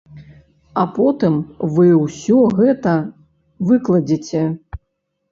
А потым вы ўсё гэта выкладзеце!